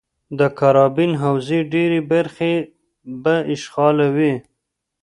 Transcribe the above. د کارابین حوزې ډېرې برخې به اشغالوي.